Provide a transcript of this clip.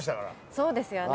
そうですよね。